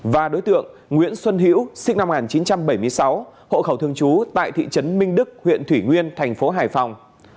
và đối tượng nguyễn xuân hữu sinh năm một nghìn chín trăm bảy mươi sáu hộ khẩu thường trú tại thị trấn minh đức huyện thủy nguyên thành phố hải phòng